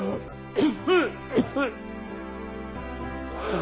あ。